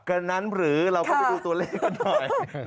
กันนั้นหรือเราก็ไปดูตัวเลขกันหน่อย